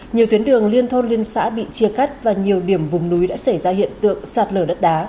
nhiều tuyến đường liên thôn liên xã bị chia cắt và nhiều điểm vùng núi đã xảy ra hiện tượng sạt lở đất đá